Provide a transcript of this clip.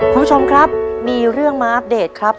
คุณผู้ชมครับมีเรื่องมาอัปเดตครับ